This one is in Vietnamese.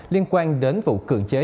liên quan đến vụ cưỡng chế